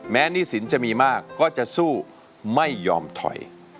หนี้สินจะมีมากก็จะสู้ไม่ยอมถอย